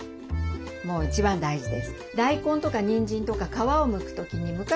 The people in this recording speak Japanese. もう一番大事です。